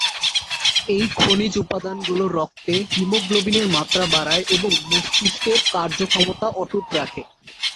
এই খনিজ উপাদানগুলো রক্তে ‘হিমোগ্লোবিন’য়ের মাত্রা বাড়ায় এবং মস্তিষ্কের কার্যক্ষমতা অটুট রাখে।